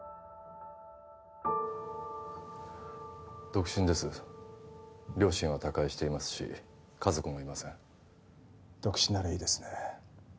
独身です両親は他界していますし家族もいません独身ならいいですね